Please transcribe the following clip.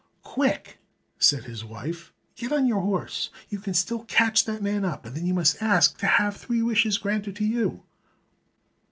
"Quick!" said his wife, "get on your horse. You can still catch the man up, and then you must ask to have three wishes granted to you."